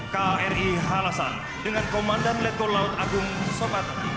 kri halasan dengan komandan letkol laut agung sobat